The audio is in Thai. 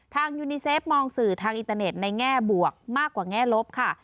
ยูนิเซฟมองสื่อทางอินเตอร์เน็ตในแง่บวกมากกว่าแง่ลบค่ะ